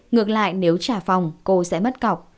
ngược lại nếu trả phòng cô sẽ mất cọc